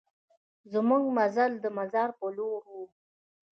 زمونږ مزل د مزار په لور و.